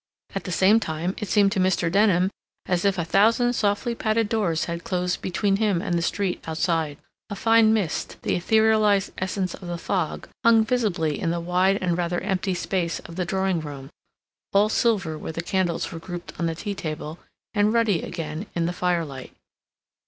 At the same time, it seemed to Mr. Denham as if a thousand softly padded doors had closed between him and the street outside. A fine mist, the etherealized essence of the fog, hung visibly in the wide and rather empty space of the drawing room, all silver where the candles were grouped on the tea table, and ruddy again in the firelight.